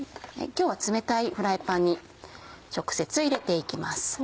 今日は冷たいフライパンに直接入れて行きます。